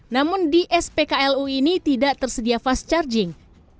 namun di spklu ini tidak tersedia fast charging